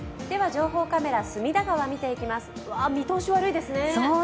情報カメラ、隅田川、見ていきます、見通し悪いですね。